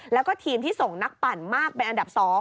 แล้วก็ทีมที่ส่งนักปั่นมากเป็นอันดับ๒